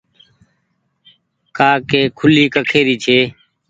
ڪآ ڪي کوُلي ڪکي ري ڇي